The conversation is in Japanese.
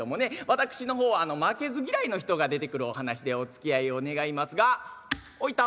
私の方あの負けず嫌いの人が出てくるお噺でおつきあいを願いますが「おい辰。